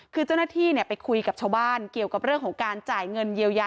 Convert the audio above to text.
คือเจ้าหน้าที่ไปคุยกับชาวบ้านเกี่ยวกับเรื่องของการจ่ายเงินเยียวยา